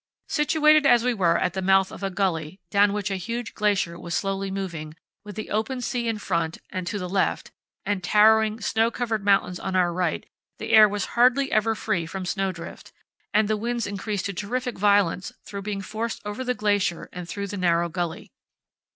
Situated as we were at the mouth of a gully, down which a huge glacier was slowly moving, with the open sea in front and to the left, and towering, snow covered mountains on our right, the air was hardly ever free from snowdrift, and the winds increased to terrific violence through being forced over the glacier and through the narrow gully.